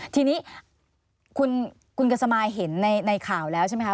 ทีนี้คุณกัสมายเห็นในข่าวแล้วใช่ไหมคะ